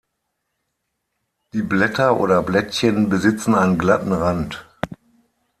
Die Blätter oder Blättchen besitzen einen glatten Rand.